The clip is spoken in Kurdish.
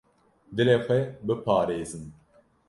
Dilê xwe biparêzin.